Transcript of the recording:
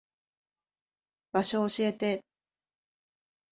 場所教えて。